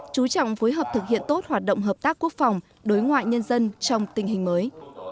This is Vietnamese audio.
chú trọng phối hợp thực hiện tốt hoạt động hợp tác quốc phòng đối ngoại nhân dân trong tình hình mới